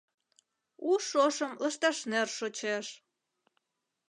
У шошым лышташнер шочеш.